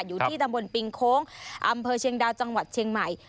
อยู่ที่ตำบลปิงโค้งอำเภอเชียงดาวจังหวัดเชียงใหม่